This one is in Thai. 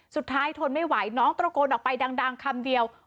ทนไม่ไหวน้องตระโกนออกไปดังคำเดียว